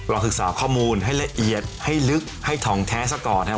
ศึกษาข้อมูลให้ละเอียดให้ลึกให้ทองแท้ซะก่อนนะครับ